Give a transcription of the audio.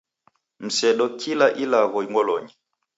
Msedo kila ilagho ngolonyi.